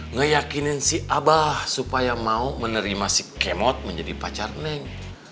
ngeyakinin si abah supaya mau menerima si kemot menjadi pacar neng